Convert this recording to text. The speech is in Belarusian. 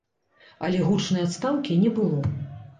Але гучнай адстаўкі не было.